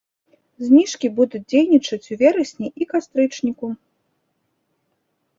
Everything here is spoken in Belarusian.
Зніжкі будуць дзейнічаць у верасні і кастрычніку.